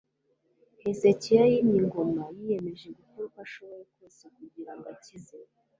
hezekiya yimye ingoma yiyemeje gukora uko ashoboye kose kugira ngo akize